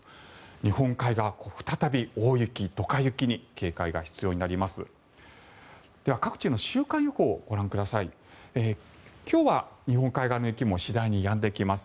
日本海側再び大雪、ドカ雪に警戒が必要になります。